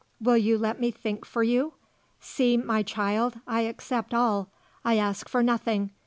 Will you let me think for you? See, my child, I accept all. I ask for nothing.